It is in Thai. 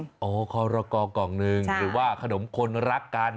อ๋อขนมคอลโลกอล์กล่องหนึ่งหรือว่าขนมคนรักกัน